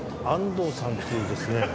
安藤さんっていうですね。